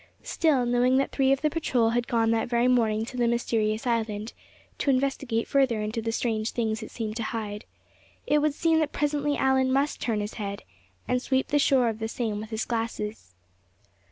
Still, knowing that three of the patrol had gone that very morning to the mysterious island, to investigate further into the strange things it seemed to hide, it would seem that presently Allan must turn his head, and sweep the shore of the same with his glasses.